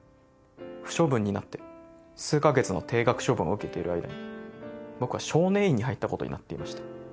不処分になって数カ月の停学処分を受けている間に僕は少年院に入ったことになっていました。